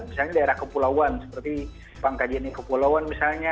misalnya daerah kepulauan seperti bangka jeni kepulauan misalnya